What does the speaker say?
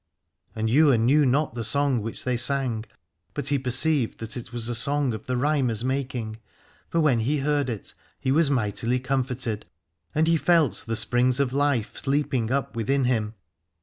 And Ywain knew not the song which they sang, but he perceived that it was a song of the Rhymer's making, for when he heard it he was mightily comforted, and he felt the springs of life leaping up within him.